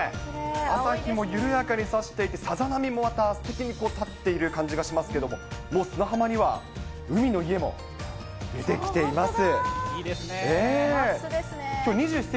朝日も緩やかにさしていて、さざ波もまた、すてきに立っている感じがしますけども、もう砂浜には海の家も出てきています。